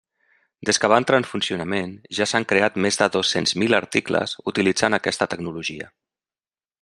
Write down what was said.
Des que va entrar en funcionament, ja s'han creat més de dos-cents mil articles utilitzant aquesta tecnologia.